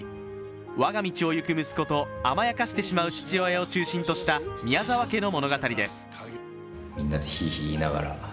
我が道を行く息子と甘やかしてしまう父親を中心とした宮沢家の物語です。